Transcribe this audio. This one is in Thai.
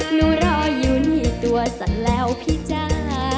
รออยู่นี่ตัวฉันแล้วพี่จ้า